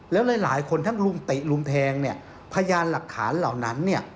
แล้วหลายคนทั้งรุมติรุมแทงพยานหลักฐานเหล่านั้น